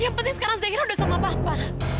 yang penting sekarang zairah udah sama papa